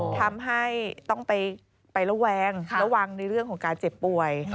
ทำให้ต้องไประแวงระวังในเรื่องของการเจ็บป่วย